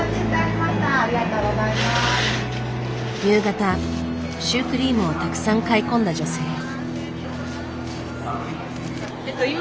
夕方シュークリームをたくさん買い込んだ女性。